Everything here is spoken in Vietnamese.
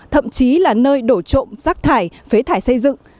thậm chí là nơi đổ trộm rác thải phế thải xây dựng